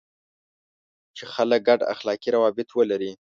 چې خلک ګډ اخلاقي روابط ولري.